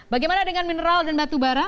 bagaimana dengan mineral dan batu bara